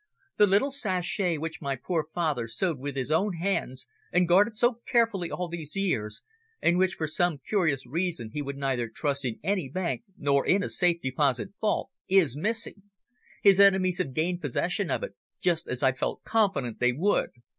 The little sachet which my poor father sewed with his own hands, and guarded so carefully all these years, and which for some curious reason he would neither trust in any bank nor in a safe deposit vault, is missing. His enemies have gained possession of it, just as I felt confident they would."